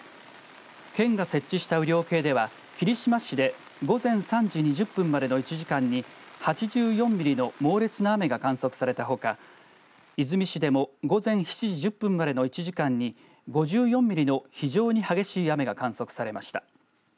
県が設置した雨量計では霧島市で午前３時２０分までの１時間に８４ミリの猛烈な雨が観測されたほか出水市でも午前７時１０分までの１時間に５４ミリの非常に激しい雨が観測されました。